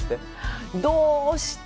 どうして？